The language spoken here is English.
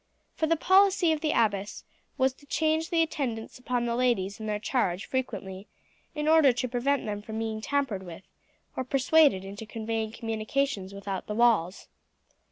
For the policy of the abbess was to change the attendants upon the ladies in their charge frequently, in order to prevent them from being tampered with, or persuaded into conveying communications without the walls.